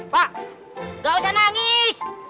pak gak usah nangis